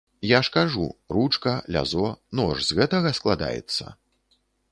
Я ж кажу, ручка, лязо, нож з гэтага складаецца?